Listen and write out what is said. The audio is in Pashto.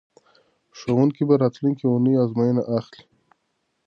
ښوونکي به راتلونکې اونۍ ازموینه اخلي.